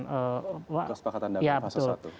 persepakatan damai fasa i